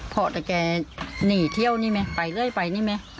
พอแต่แกหนีเที่ยวนี่ไหมไปเรื่อยไปนี่ไหม